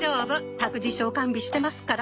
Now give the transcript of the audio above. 託児所を完備してますから。